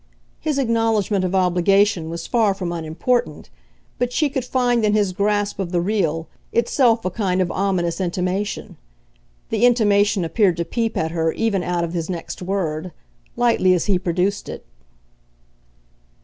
His acknowledgment of obligation was far from unimportant, but she could find in his grasp of the real itself a kind of ominous intimation. The intimation appeared to peep at her even out of his next word, lightly as he produced it.